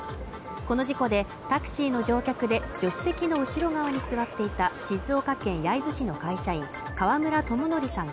この事故でタクシーの乗客で助手席の後ろ側に座っていた静岡県焼津市の会社員川村友則さん